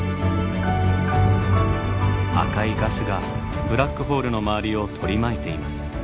赤いガスがブラックホールの周りを取り巻いています。